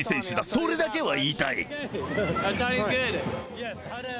それだけは言いたい。